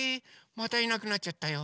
またいなくなっちゃったよ。